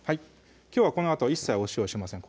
きょうはこのあと一切お塩しません